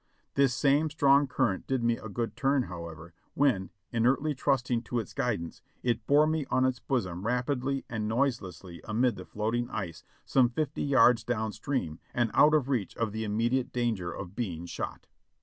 This same strong current did me a good turn, however, when, inertly trusting to its guid ance, it bore me on its bosom rapidly and noiselessly amid the floating ice some fifty yards down stream and out of reach of the immediate danger of being shot.